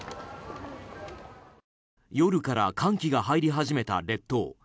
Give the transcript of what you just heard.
夜から寒気が入り始めた列島。